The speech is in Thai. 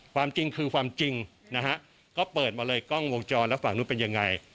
ความจริงคือความจริงนะฮะก็เปิดมาเลยกล้องวงจรแล้วฝั่งนู้นเป็นยังไง